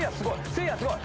せいやすごい。